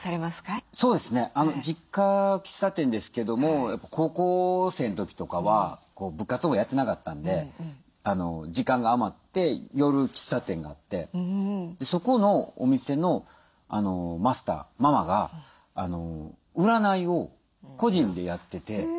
そうですね。実家喫茶店ですけども高校生の時とかは部活もやってなかったんで時間が余って寄る喫茶店があってそこのお店のマスターママが占いを個人でやってて。